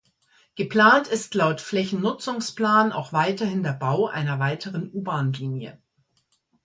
Geplant ist laut Flächennutzungsplan auch weiterhin der Bau einer weiteren U-Bahnlinie.